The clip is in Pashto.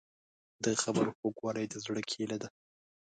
د خبرو خوږوالی د زړه کیلي ده.